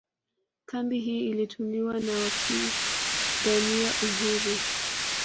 Kambi hii ilitumiwa na wapiagania uhuru